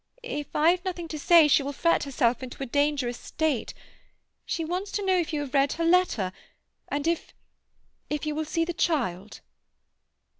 If I have nothing to say she will fret herself into a dangerous state. She wants to know if you have read her letter, and if—if you will see the child."